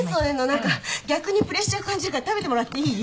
何か逆にプレッシャー感じるから食べてもらっていい？